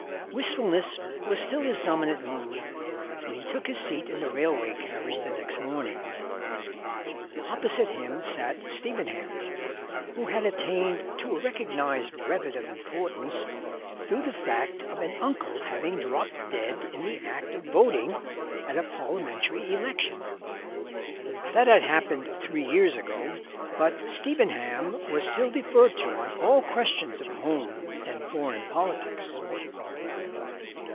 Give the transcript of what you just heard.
Wistfulness was still his dominant mood when he took his seat in the railway carriage the next morning. Opposite him sat Stevenham, who had attained to a recognised brevet of importance through the fact of an uncle having dropped dead in the act of voting at a Parliamentary election. That had happened three years ago, but Stevenham was still deferred to on all questions of home and foreign politics.